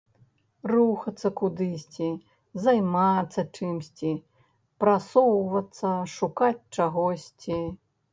Рухацца кудысьці, займацца чымсьці, прасоўвацца, шукаць чагосьці.